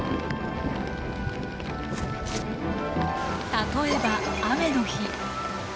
例えば雨の日。